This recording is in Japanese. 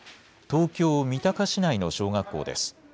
東京・三鷹市内の小学校です。